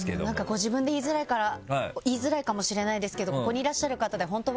ご自分で言いづらいから言いづらいかもしれないですけどここにいらっしゃる方で本当。